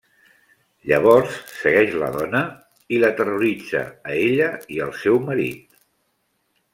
Llavors segueix la dona i la terroritza a ella i al seu marit.